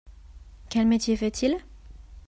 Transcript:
Quel métier fait-il ?